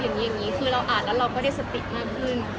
คืออ่านแล้วเราก็ได้สติมากขึ้น